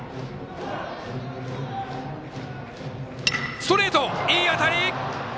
ストレートいい当たり！